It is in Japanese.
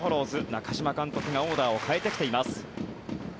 中嶋監督がオーダーを変えてきています。